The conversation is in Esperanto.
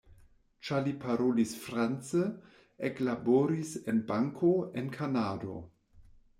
Ĉar li parolis france, eklaboris en banko, en Kanado.